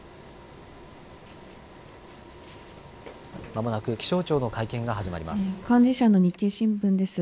間もなく気象庁の会見が始まります。